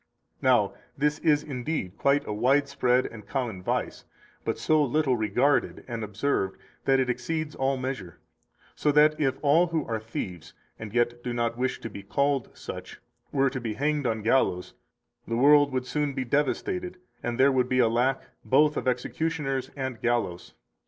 Now, this is indeed quite a wide spread and common vice, but so little regarded and observed that it exceeds all measure, so that if all who are thieves, and yet do not wish to be called such, were to be hanged on gallows, the world would soon be devastated, and there would be a lack both of executioners and gallows.